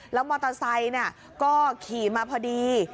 แล้วมอเตอร์ไซค์ก็ขี่มาพอดี